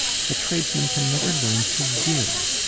A tradesman can never learn to give.